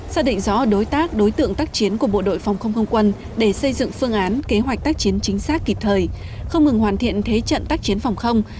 xác định rõ đối tác đối tượng tác chiến của bộ đội phòng không không quân để xây dựng phương án kế hoạch tác chiến chính xác kịp thời không ngừng hoàn thiện thế trận tác chiến phòng không